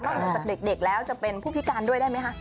เหนือจากเด็กแล้วจะเป็นผู้พิการด้วยได้ไหมคะ